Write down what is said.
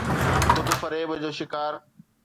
خود فريب جو شڪار.